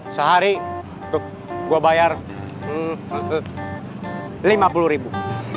sehari gue bayar lima puluh ribu